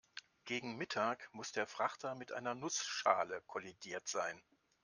Gegen Mittag muss der Frachter mit einer Nussschale kollidiert sein.